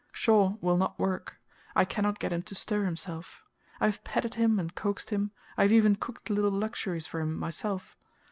Shaw will not work. I cannot get him to stir himself. I have petted him and coaxed him; I have even cooked little luxuries for him myself.